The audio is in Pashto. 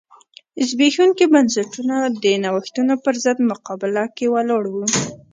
زبېښونکي بنسټونه د نوښتونو پرضد مقابله کې ولاړ و.